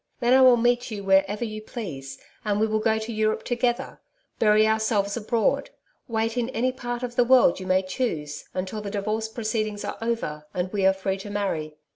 Then I will meet you wherever you please, and we will go to Europe together bury ourselves abroad wait in any part of the world you may choose, until the divorce proceedings are over, and we are free to marry.